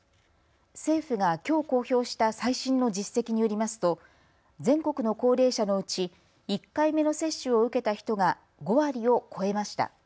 政府がきょう公表した最新の実績によりますと全国の高齢者のうち１回目の接種を受けた人が５割を超えました。